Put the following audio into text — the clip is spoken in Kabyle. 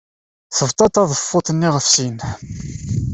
Tebḍa taḍeffut-nni ɣef sin.